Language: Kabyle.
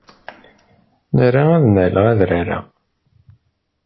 Nra ad naley adrar-a.